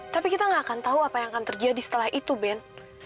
tapi kita gak akan tahu apa yang akan terjadi setelah itu ben